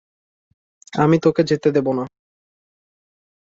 আমি তোকে যেতে দেব না।